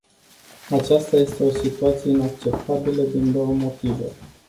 Aceasta este o situație inacceptabilă din două motive.